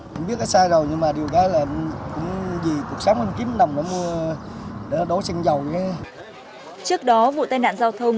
trước đó vụ tai nạn giao thông đặc biệt nghiêm trọng